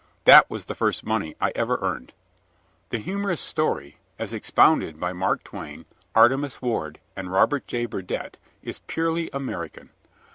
That was the first money I ever earned." The humorous story as expounded by Mark Twain, Artemus Ward, and Robert J. Burdette, is purely American.